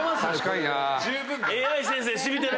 ＡＩ先生染みてる！